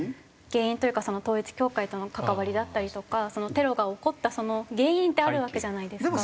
原因というか統一教会との関わりだったりとかテロが起こった原因ってあるわけじゃないですか。